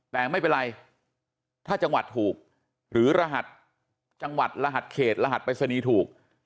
แต่ไม่เป็นไรถ้าจังหวัดถูกหรือรหัสจังหวัดรหัสเขตรหัสปริศนีย์ถูก